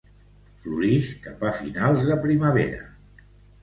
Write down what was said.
Florix cap a finals de primavera.